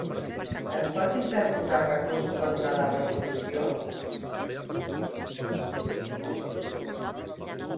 Es pot interposar recurs contra la resolució?